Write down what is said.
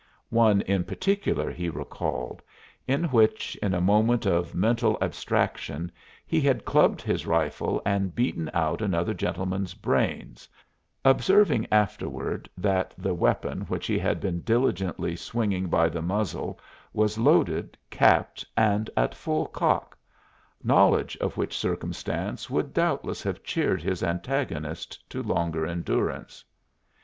One in particular he recalled, in which in a moment of mental abstraction he had clubbed his rifle and beaten out another gentleman's brains, observing afterward that the weapon which he had been diligently swinging by the muzzle was loaded, capped, and at full cock knowledge of which circumstance would doubtless have cheered his antagonist to longer endurance.